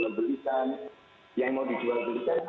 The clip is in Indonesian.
agar tidak ada syarat sama